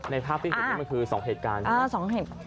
ภาพที่เห็นนี่มันคือ๒เหตุการณ์